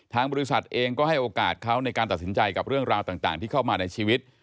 ทางบริษัทเองก็ให้โอกาสเขาในการตัดสินใจกับเรื่องราวต่างที่เข้ามาในชีวิต